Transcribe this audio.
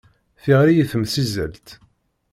Tiɣri i temsizzelt.